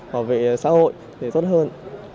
bảo vệ xã hội để tốt hơn